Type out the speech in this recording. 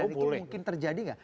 dari itu mungkin terjadi gak